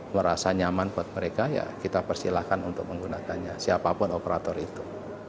merasa nyaman buat mereka ya kita persilahkan untuk menggunakannya siapapun operator itu